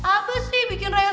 apa sih bikin raya sakit ah